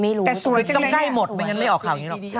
ต้องใกล้หมดไม่งั้นไม่ออกข่าวนี้หรอก